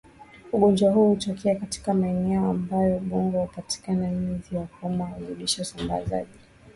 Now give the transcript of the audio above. Ugonjwa huu hutokea katika maeneo ambapo mbungo hupatikana Nzi wa kuuma huzidisha usambaaji